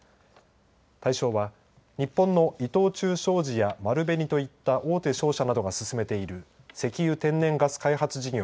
対象は日本の伊藤忠商事や丸紅といった大手商社などが進めている石油・天然ガス開発事業